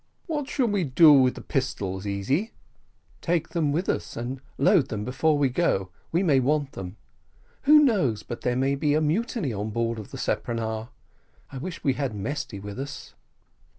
"What shall we do with the pistols, Easy?" "Take them with us, and load them before we go we may want them: who knows but there may be a mutiny on board of the speronare? I wish we had Mesty with us."